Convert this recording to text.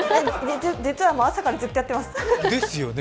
実は朝からずっとやってます。